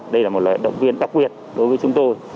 đây là một lời động viên đặc biệt đối với chúng tôi